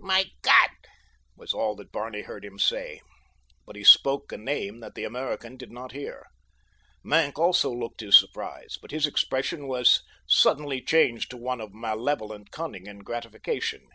"My God!" was all that Barney heard him say, but he spoke a name that the American did not hear. Maenck also looked his surprise, but his expression was suddenly changed to one of malevolent cunning and gratification.